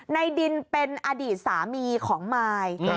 ในดินเป็นอดีตสามีของมาย